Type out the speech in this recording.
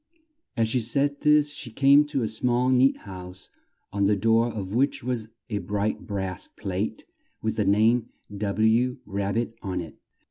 As she said this she came to a small neat house on the door of which was a bright brass plate with the name W. Rab bit on it.